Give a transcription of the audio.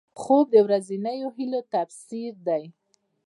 خوب د ورځنیو هیلو تفسیر دی